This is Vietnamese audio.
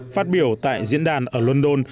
phát biểu tại diễn đàn ở london